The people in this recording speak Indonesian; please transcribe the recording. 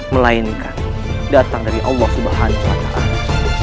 melainkan datang dari allah subhanahu wa ta'ala